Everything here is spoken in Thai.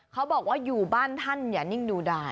เขาบอกว่าอยู่บ้านท่านอย่านิ่งดูดาย